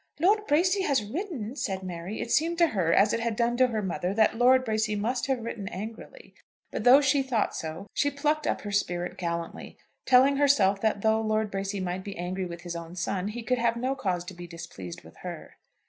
"Lord Bracy has written!" said Mary. It seemed to her, as it had done to her mother, that Lord Bracy must have written angrily; but though she thought so, she plucked up her spirit gallantly, telling herself that though Lord Bracy might be angry with his own son, he could have no cause to be displeased with her.